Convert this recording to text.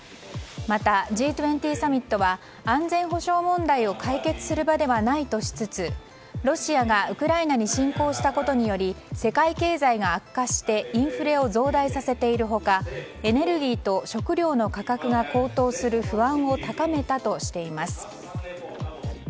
またＧ２０サミットは安全保障問題を解決する場ではないとしつつロシアがウクライナに侵攻したことにより世界経済が悪化してインフレを増大させている他エネルギーと食料の価格が高騰する不安を高めたとしています。